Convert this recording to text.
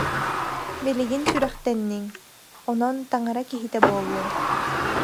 «Билигин сүрэхтэнниҥ, онон таҥара киһитэ буоллуҥ»